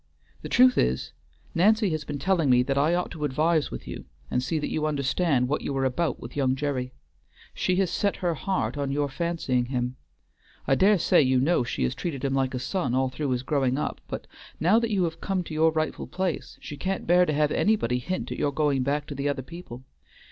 The truth is, Nancy has been telling me that I ought to advise with you, and see that you understand what you are about with young Gerry. She has set her heart on your fancying him. I dare say you know she has treated him like a son all through his growing up; but now that you have come to your rightful place, she can't bear to have anybody hint at your going back to the other people.